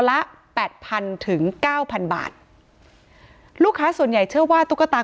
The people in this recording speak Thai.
ละแปดพันถึงเก้าพันบาทลูกค้าส่วนใหญ่เชื่อว่าตุ๊กตา